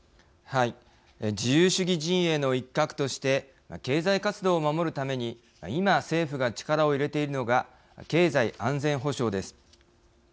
はい、自由主義陣営の一角として経済活動を守るために今、政府が力を入れているのが経済安全保障です。